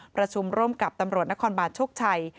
ประชุมร่วมกับตำรวจนครบาลโชคชัย